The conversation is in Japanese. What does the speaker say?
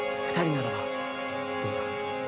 二人ならばどうだ？